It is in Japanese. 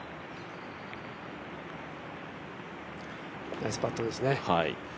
ナイスパットですね。